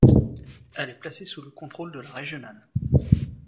Elle est placée sous le contrôle de la régionale.